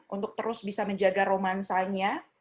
untuk terus bisa menjaga romansanya